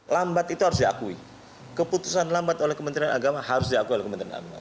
lambat itu harus diakui keputusan lambat oleh kementerian agama harus diakui oleh kementerian agama